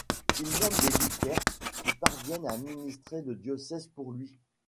Il nomme des vicaires qui parviennent à administrer le diocèse pour lui.